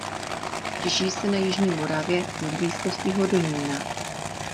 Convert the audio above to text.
Těží se na jižní Moravě v blízkosti Hodonína.